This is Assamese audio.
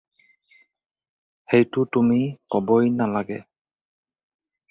সেইটো তুমি ক'বই নালাগে।